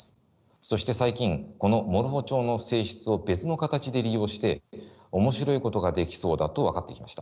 そして最近このモルフォチョウの性質を別の形で利用して面白いことができそうだと分かってきました。